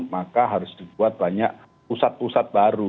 maka harus dibuat banyak pusat pusat baru